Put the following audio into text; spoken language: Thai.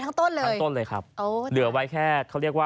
ทั้งต้นเลยทั้งต้นเลยครับอ๋อเหลือไว้แค่เขาเรียกว่า